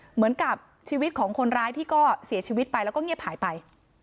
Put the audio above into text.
เหมือนกับชีวิตของคนร้ายที่ก็เสียชีวิตไปแล้วก็เงียบหายไป